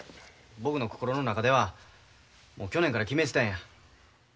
僕の心の中ではもう去年から決めてたんや。